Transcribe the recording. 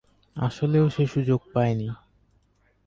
আসলেও সে সুযোগ পায়নি।